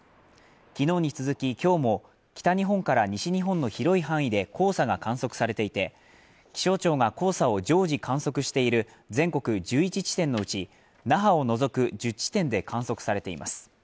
昨日に続き今日も北日本から西日本の広い範囲で黄砂が観測されていて、気象庁が黄砂を常時観測している全国１１地点のうち、那覇を除く１０地点で観測されています。